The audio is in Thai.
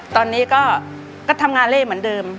ตอนนี้ก็ทำงานเล่เหมือนเดิม